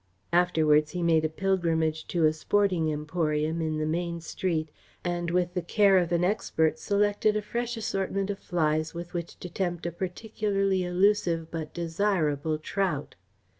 Afterwards he made a pilgrimage to a sporting emporium in the main street, and with the care of an expert selected a fresh assortment of flies with which to tempt a particularly elusive but desirable trout.